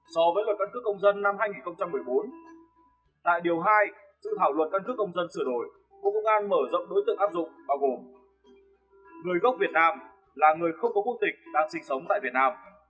so với luật căn cước công dân năm hai nghìn một mươi bốn